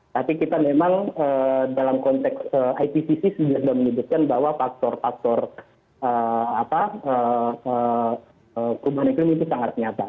tapi kita memang dalam konteks itcc sudah menyebutkan bahwa faktor faktor perubahan iklim itu sangat nyata